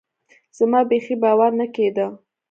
زما بيخي باور نه کېده.